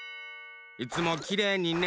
いつもきれいにね。